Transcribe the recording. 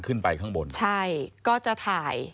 ขึ้นไปข้างบนใช่ก็จะถ่าย